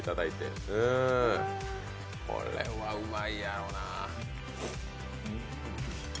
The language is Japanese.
これはうまいやろな。